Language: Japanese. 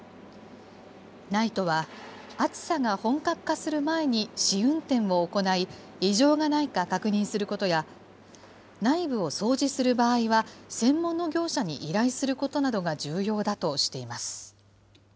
ＮＩＴＥは暑さが本格化する前に試運転を行い、異常がないか確認することや、内部を掃除する場合は、専門の業者に依頼することなどが重要だとしています。